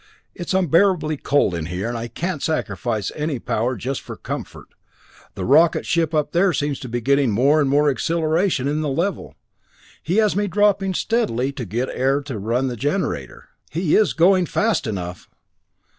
It's unbearably cold in here, and I can't sacrifice any power just for comfort. The rocket ship up there seems to be getting more and more acceleration in the level. He has me dropping steadily to get air to run the generator. He is going fast enough!"